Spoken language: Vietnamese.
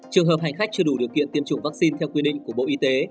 trường hợp hành khách chưa đủ điều kiện tiêm chủng vaccine theo quy định của bộ y tế